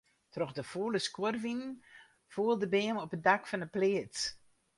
Troch de fûle skuorwinen foel de beam op it dak fan 'e pleats.